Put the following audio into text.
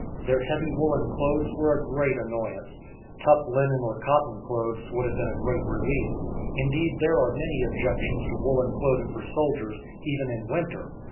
Their heavy woolen clothes were a great annoyance; tough linen or cotton clothes would have been a great relief; indeed, there are many objections to woolen clothing for soldiers, even in winter.